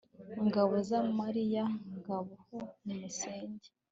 ngabo za mariya ngaho nimusenge